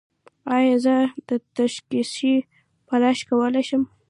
ایا زه دستکشې په لاس کولی شم؟